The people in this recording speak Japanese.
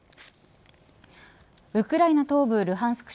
ウクライナ東部ルハンスク